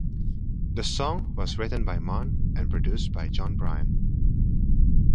The song was written by Mann and produced by Jon Brion.